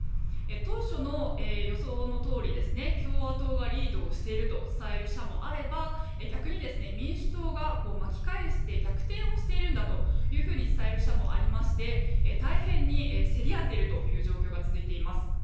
当初の予想のとおり共和党がリードをしていると伝える社もあれば逆に民主党が巻き返して逆転をしているんだと伝える社もありまして大変に競り合っているという状況が続いています。